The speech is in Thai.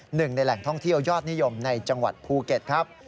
หนึ่งในแหล่งท่องเที่ยวยอดนิยมในจังหวัดภูเก็ตครับ